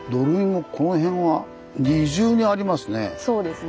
そうですね。